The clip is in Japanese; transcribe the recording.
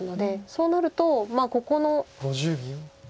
そうなるとここの。